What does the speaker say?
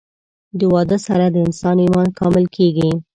د واده سره د انسان ايمان کامل کيږي